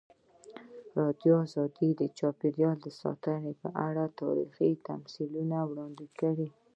ازادي راډیو د چاپیریال ساتنه په اړه تاریخي تمثیلونه وړاندې کړي.